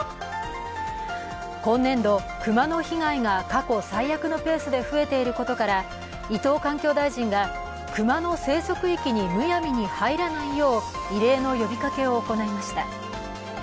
今年度、熊の被害が過去最悪のペースで増えていることから伊藤環境大臣が熊の生息域にむやみに入らないよう、異例の呼びかけを行いました。